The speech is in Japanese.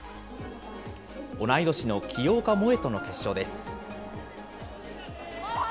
同い年の清岡もえとの決勝です。